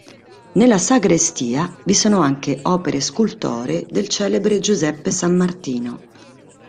Nella sagrestia vi sono anche opere scultoree del celebre Giuseppe Sammartino.